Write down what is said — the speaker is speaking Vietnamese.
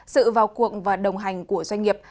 sự vào cuộn và đồng hành của doanh nghiệp